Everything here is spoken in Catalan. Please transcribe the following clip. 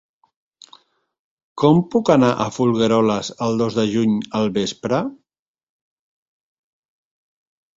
Com puc anar a Folgueroles el dos de juny al vespre?